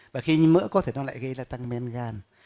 và khi nhiễm mỡ có thể nó lại gây tăng men gan